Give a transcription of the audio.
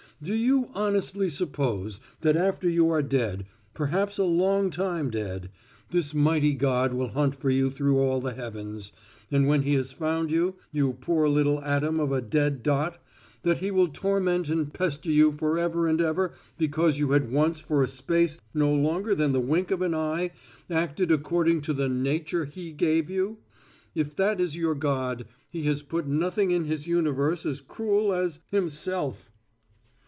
Do you honestly suppose that after you are dead, perhaps a long time dead, this mighty God will hunt for you through all the heavens, and when he has found you, you poor little atom of a dead dot, that he will torment and pester you forever and ever because you had once for a space no longer than the wink of an eye acted according to the nature he gave you? If that is your God, he has put nothing in his universe as cruel as Himself."